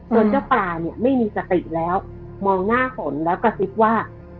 เจ้าปลาเนี่ยไม่มีสติแล้วมองหน้าฝนแล้วกระซิบว่า